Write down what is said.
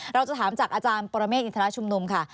เราจะถามจากอาจารย์ปรเมฆอินทรชุมนุมค่ะ